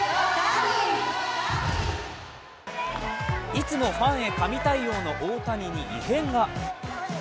いつもファンへ神対応の大谷に異変が。